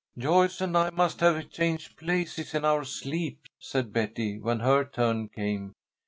"Joyce and I must have changed places in our sleep," said Betty, when her turn came.